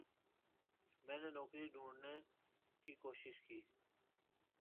میں نے نوکری ڈھوڑھنے کی کوشش کی۔